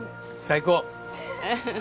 最高！